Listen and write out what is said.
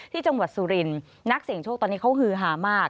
ที่จังหวัดสุรินทร์นักเสี่ยงโชคตอนนี้เขาฮือหามาก